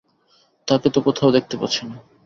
তাকে তো কোথাও দেখতে পাচ্ছি না।